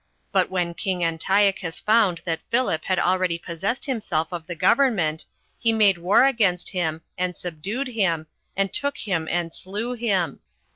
But when king Antiochus found that Philip had already possessed himself of the government, he made war against him, and subdued him, and took him, and slew him.